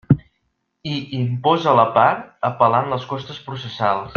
I imposa a la part apel·lant les costes processals.